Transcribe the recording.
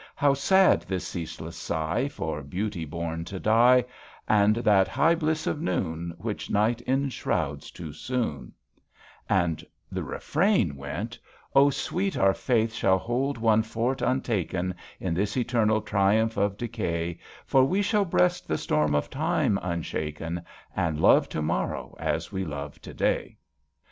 How sad this ceaseless sigh For beauty bom to die, And that high bliss of noon Which night enshrouds too soon 1 " And the refrain went :« O sweet, our faith shall hold one fort untaken In this eternal triumph of decay; For we shall breast the storm of time unshaken, And love to morrow as we love to day."